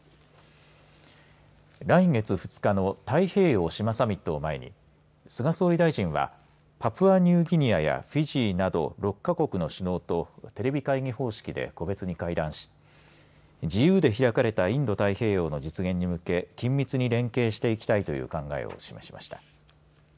来月２日の太平洋・島サミットを前に菅総理大臣はパプアニューギニアやフィジーなど６か国の首脳とテレビ会議方式で個別に会談し自由で開かれたインド太平洋の実現に向け緊密に連携して行きたいという考えを示しました。